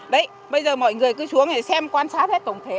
đấy bây giờ mọi người cứ xuống xem quan sát hết tổng thể